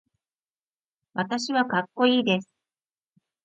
私はかっこいいです。